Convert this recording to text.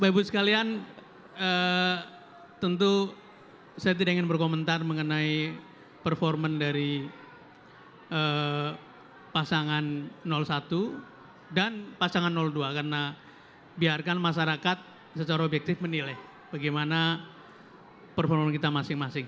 bapak ibu sekalian tentu saya tidak ingin berkomentar mengenai performa dari pasangan satu dan pasangan dua karena biarkan masyarakat secara objektif menilai bagaimana performa kita masing masing